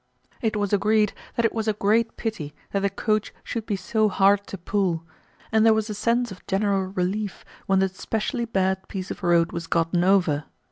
It was agreed that it was a great pity that the coach should be so hard to pull, and there was a sense of general relief when the specially bad piece of road was gotten over.